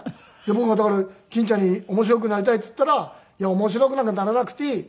「僕がだから欽ちゃんに“面白くなりたい”って言ったら“面白くなんかならなくていい。